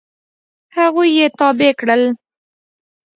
هغوی یې تابع کړل.